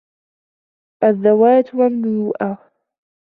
الدَّواةُ مَمْلُوءَةٌ.